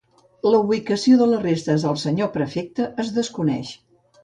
La ubicació de les restes del senyor Prefecte es desconeix.